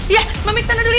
iya mami kesana dulu ya